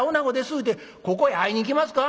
いうてここへ会いに来ますか？」。